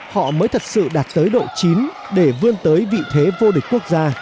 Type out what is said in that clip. họ mới thật sự đạt tới độ chín để vươn tới vị thế vô địch quốc gia